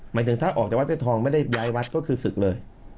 หมายถึงถ้าออกจากวัดเพชรทองไม่ได้ย้ายวัดก็คือศึกเลย